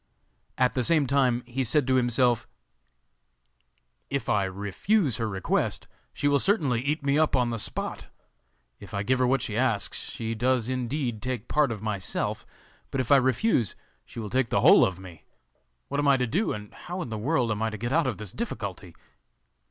At the same time he said to himself, 'If I refuse her request, she will certainly eat me up on the spot. If I give her what she asks she does indeed take part of myself, but if I refuse she will take the whole of me. What am I to do, and how in the world am I to get out of the difficulty?